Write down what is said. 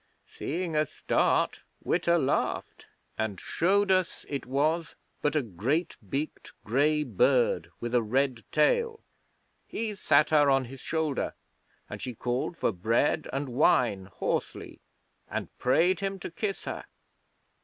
Seeing us start Witta laughed, and showed us it was but a great beaked grey bird with a red tail. He sat her on his shoulder, and she called for bread and wine hoarsely, and prayed him to kiss her.